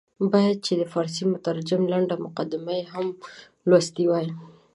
باید چې د فارسي مترجم لنډه مقدمه یې هم لوستې وای.